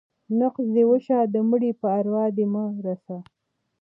ـ نقص دې وشه ، د مړي په اروا دې مه رسه.